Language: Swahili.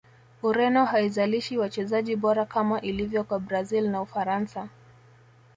Ureno haizalishi wachezaji bora kama ilivyo kwa brazil na ufaransa